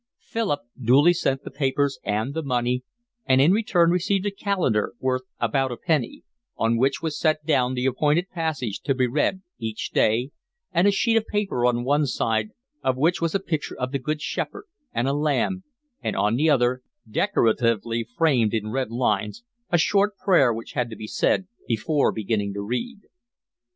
Philip duly sent the papers and the money, and in return received a calendar worth about a penny, on which was set down the appointed passage to be read each day, and a sheet of paper on one side of which was a picture of the Good Shepherd and a lamb, and on the other, decoratively framed in red lines, a short prayer which had to be said before beginning to read.